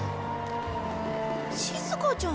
しずかちゃん。